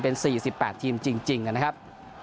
เป็น๔๘ทีมจริงนะครับ